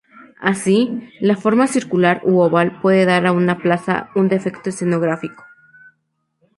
Así, la forma circular u oval puede dar a una plaza un efecto escenográfico.